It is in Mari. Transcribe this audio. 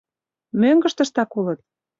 — Мӧҥгыштыштак улыт.